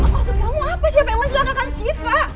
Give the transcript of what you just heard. maksud kamu apa siapa yang mencelakakan syifa